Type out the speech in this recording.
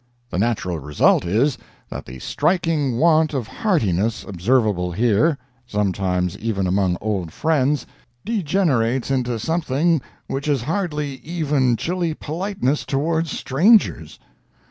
The natural result is, that the striking want of heartiness observable here, sometimes even among old friends, degenerates into something which is hardly even chilly politeness towards strangers.